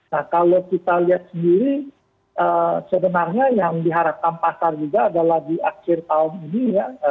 nah kalau kita lihat sendiri sebenarnya yang diharapkan pasar juga adalah di akhir tahun ini ya